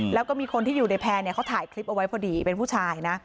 แล้วก็มีคนที่อยู่ในแพร่เขาถ่ายคลิปเอาไว้พอดีเป็นผู้ชายนะ